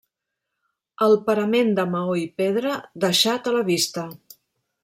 El parament de maó i pedra deixat a la vista.